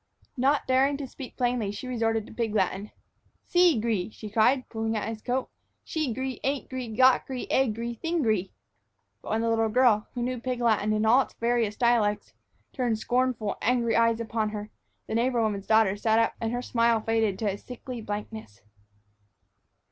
Not daring to speak plainly, she resorted to pig Latin. "Seegry," she cried, pulling at his coat, "shegry ain'tgry gotgry agry thinggry." But when the little girl, who knew pig Latin in all its various dialects, turned angry, scornful eyes upon her, the neighbor woman's daughter sat up and her smile faded to a sickly blankness.